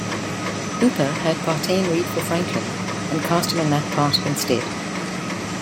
Hooper had Partain read for Franklin and cast him in that part instead.